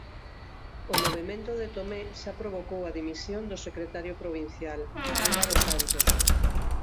O movemento de Tomé xa provocou a dimisión do secretario provincial, Álvaro Santos.